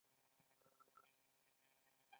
که انسان زحمت وباسي، نو پایله به وویني.